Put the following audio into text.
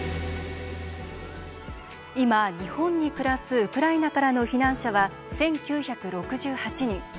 今、日本に暮らすウクライナからの避難者は１９６８人。